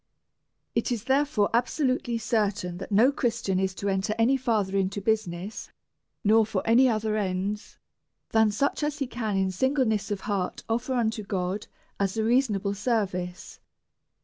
It is therefore absolutely certain that no Christian is to enter any further into business, nor for any other ends, than such as he can in singleness of heart offer unto God as a reasonable service.